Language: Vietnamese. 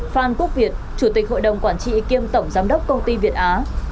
phan quốc việt chủ tịch hội đồng quản trị kiêm tổng giám đốc công ty việt á